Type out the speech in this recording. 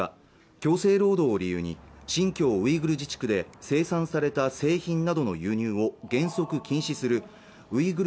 強制労働を理由に新疆ウイグル自治区で生産された製品などの輸入を原則禁止するウイグル